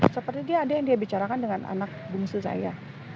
seperti dia ada yang dia bicarakan dengan anak bungsu saya